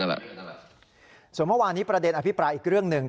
ส่วนเมื่อวานนี้ประเด็นอภิปรายอีกเรื่องหนึ่ง